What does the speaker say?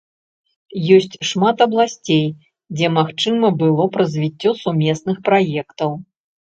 Ёсць шмат абласцей, дзе магчыма было б развіццё сумесных праектаў.